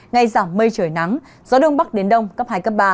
ngay giảm mây trời nắng gió đông bắc đến đông cấp hai cấp ba